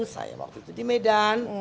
saya waktu itu di medan